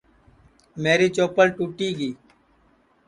میری چوپل ٹوٹی گی